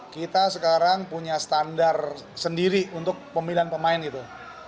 kita sekarang punya standar sendiri untuk pemilihan pemain gitu